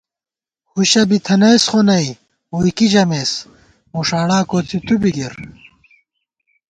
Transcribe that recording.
ہُشہ بی تھنَئیس خو نئ ، ووئی کی ژَمېس مُݭاڑا کوڅی تُو بی گِر